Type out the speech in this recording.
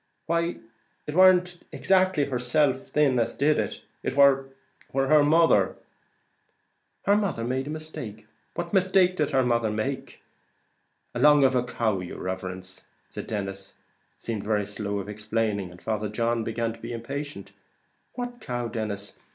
"Why it warn't exactly herself thin as did it; it war her mother." "Her mother made a mistake! What mistake did her mother make?" "Along of the cow, yer riverence." Denis seemed very slow of explaining, and Father John began to be impatient. "What cow, Denis?